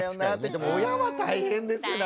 でも親は大変ですよね